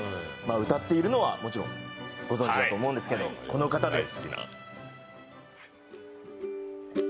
歌っているのは、もちろんご存じだと思うんですけど、この方です。